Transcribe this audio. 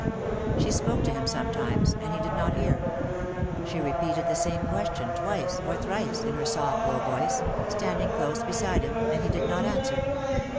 She spoke to him sometimes, and he did'.not hear. She repeated the same question twice or thrice, in her soft low voice, standing close beside him, and he did not answer.